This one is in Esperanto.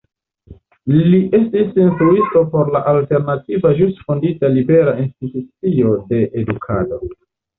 Li estis instruisto por la alternativa ĵus fondita Libera Institucio de Edukado.